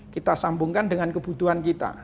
kita sambungkan dengan kebutuhan kita